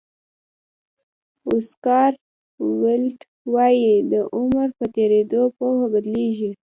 اوسکار ویلډ وایي د عمر په تېرېدو پوهه بدلېږي.